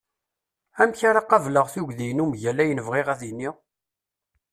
Amek ara qabeleɣ tugdi-inu mgal ayen bɣiɣ ad d-iniɣ?